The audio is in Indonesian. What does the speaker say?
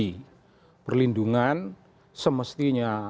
ini perlindungan semestinya